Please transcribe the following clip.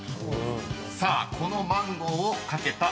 ［さあこのマンゴーを懸けた戦い］